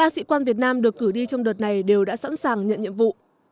ba sĩ quan việt nam được cử đi trong đợt này đều đã sẵn sàng nhận nhiệm vụ